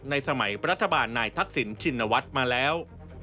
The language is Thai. สมัยรัฐบาลนายทักษิณชินวัฒน์มาแล้ว